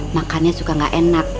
makannya suka gak enak